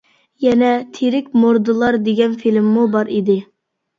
يەنە تىرىك مۇردىلار دېگەن فىلىممۇ بار ئىدى.